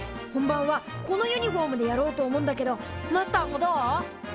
本番はこのユニフォームでやろうと思うんだけどマスターもどう？